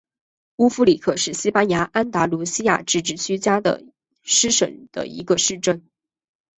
乌夫里克是西班牙安达卢西亚自治区加的斯省的一个市镇。